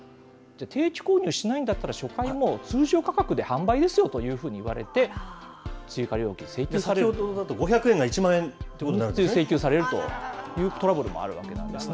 定期購入しないんだったら、初回も通常価格で販売ですよというふうに言われて、追加料金請求され先ほどだと、５００円が１万請求されるというトラブルもあるわけなんですね。